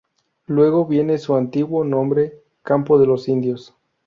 Luego viene su antiguo nombre: "Campo de los indios".